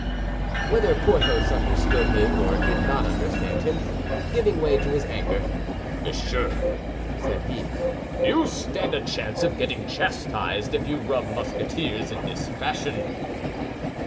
Whether Porthos understood him or did not understand him, giving way to his anger, "Monsieur," said he, "you stand a chance of getting chastised if you rub Musketeers in this fashion."